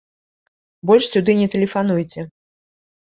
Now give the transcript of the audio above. Больш сюды не тэлефануйце.